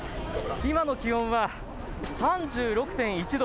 今の気温は３６．１度。